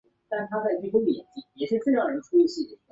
短果百脉根为豆科百脉根属下的一个种。